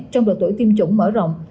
trong độ tuổi tiêm chủng mở rộng